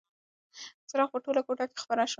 څراغ په ټوله کوټه کې خپره شوه.